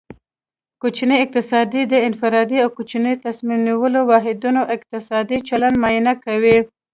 کوچنی اقتصاد د انفرادي او کوچنیو تصمیم نیولو واحدونو اقتصادي چلند معاینه کوي